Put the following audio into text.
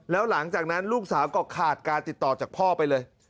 แล้วหลังจากนั้นลูกสาวก็ขาดการติดต่อจากพ่อไปเลย